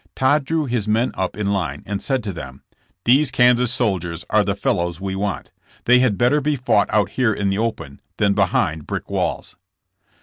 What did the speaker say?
Todd drew his men up in line and said to them : ''These Kansas soldiers are the fellows we want. They had better be fought out here in the open than behind brick walls."